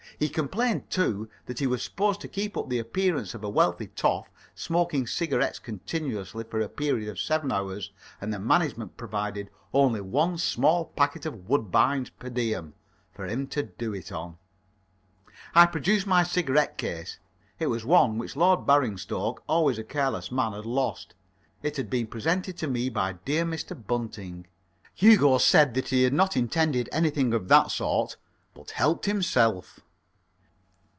He complained, too, that he was supposed to keep up the appearance of a wealthy toff smoking cigarettes continually for a period of seven hours, and the management provided only one small packet of woodbines per diem for him to do it on. I produced my cigarette case. It was one which Lord Baringstoke always a careless man had lost. It had been presented to me by dear Mr. Bunting. Hugo said he had not intended anything of that sort, but helped himself.